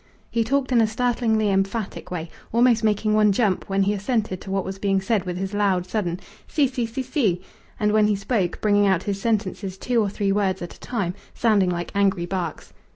He talked in a startlingly emphatic way, almost making one jump when he assented to what was being said with his loud sudden si si si si si, and when he spoke bringing out his sentences two or three words at a time, sounding like angry barks.